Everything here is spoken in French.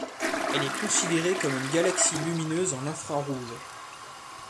Elle est considérée comme une galaxie lumineuse en infrarouge.